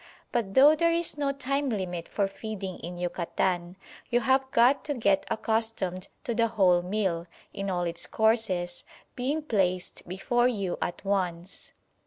But though there is no time limit for feeding in Yucatan, you have got to get accustomed to the whole meal, in all its courses, being placed before you at once.